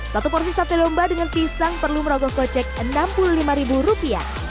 satu porsi sate domba dengan pisang perlu merogoh kocek rp enam puluh lima